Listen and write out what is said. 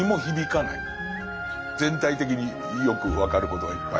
全体的によく分かることがいっぱい。